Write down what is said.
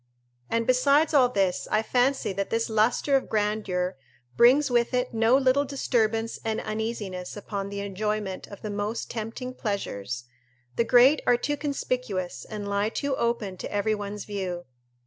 And besides all this, I fancy that this lustre of grandeur brings with it no little disturbance and uneasiness upon the enjoyment of the most tempting pleasures; the great are too conspicuous and lie too open to every one's view.